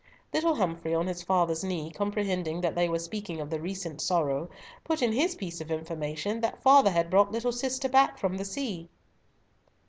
Little Humfrey, on his father's knee, comprehending that they were speaking of the recent sorrow, put in his piece of information that "father had brought little sister back from the sea."